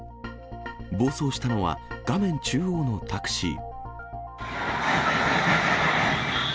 暴走したのは、画面中央のタクシー。